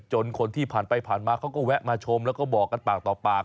คนที่ผ่านไปผ่านมาเขาก็แวะมาชมแล้วก็บอกกันปากต่อปาก